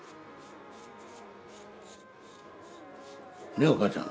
ねえおかあちゃん。